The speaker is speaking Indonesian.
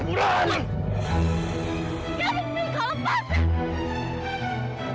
bunga beranti oh my god